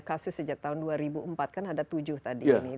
kasus sejak tahun dua ribu empat kan ada tujuh tadi ini